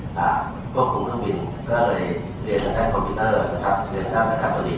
และมนุทินักษาฐรมาโลเวลนิเวศ